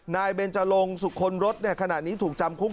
นายเบนจรงสุขลรถขณะนี้ถูกจำคุก